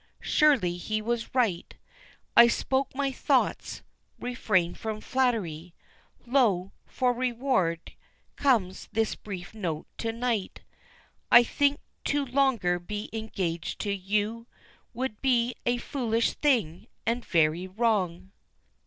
Surely he was right, I spoke my thoughts, refrained from flattery, Lo, for reward comes this brief note to night: "I think to longer be engaged to you Would be a foolish thing, and very wrong.